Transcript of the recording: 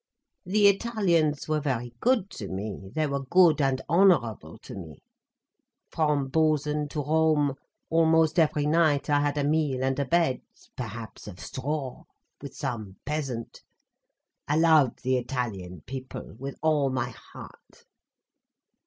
"The Italians were very good to me—they were good and honourable to me. From Bozen to Rome, almost every night I had a meal and a bed, perhaps of straw, with some peasant. I love the Italian people, with all my heart.